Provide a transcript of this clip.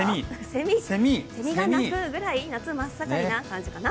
せみが鳴くぐらい夏真っ盛りな感じかな。